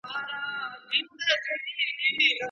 څېړنه د کومو حوالو پر بنسټ ولاړه وي؟